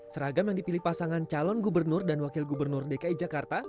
seragam yang dipilih pasangan calon gubernur dan wakil gubernur dki jakarta